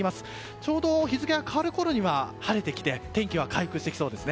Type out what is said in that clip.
ちょうど日付が変わるころには晴れてきて天気は回復してきそうです。